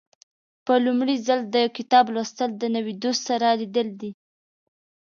په لومړي ځل د کتاب لوستل د نوي دوست سره لیدل دي.